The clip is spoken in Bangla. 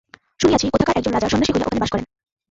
শুনিয়াছি কোথাকার একজন রাজা সন্ন্যাসী হইয়া ওখানে বাস করেন।